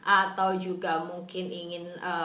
atau juga mungkin ingin